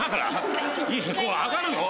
上がるの？